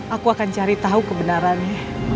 aku akan cari tahu kebenarannya